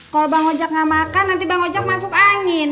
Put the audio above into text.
kalo bang ojak gak makan nanti bang ojak masuk angin